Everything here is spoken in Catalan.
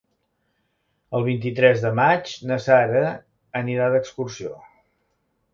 El vint-i-tres de maig na Sara anirà d'excursió.